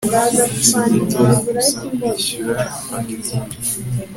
Nasabye Tom gusa kwishyura fagitire